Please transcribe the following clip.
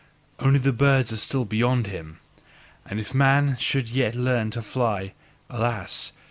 Only the birds are still beyond him. And if man should yet learn to fly, alas!